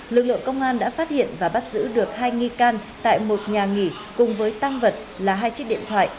lực lượng công an đã phát hiện và bắt giữ được hai nghi can tại một nhà nghỉ cùng với tăng vật là hai chiếc điện thoại